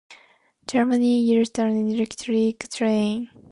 Germany uses an electric train.